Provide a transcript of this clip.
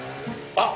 あっ！